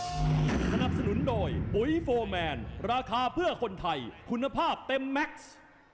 สนับสนุนโดยปุ๋ยโฟร์แมนราคาเพื่อคนไทยคุณภาพเต็มแม็กซ์